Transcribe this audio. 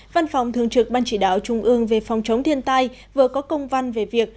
văn phòng thường trực ban chỉ đạo trung ương về phòng chống thiên tai vừa có công văn về việc